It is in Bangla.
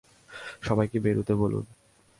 সবাইকে বেরুতে বলুন।